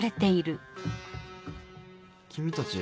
君たち。